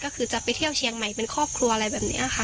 ก็คือจะไปเที่ยวเชียงใหม่เป็นครอบครัวอะไรแบบนี้ค่ะ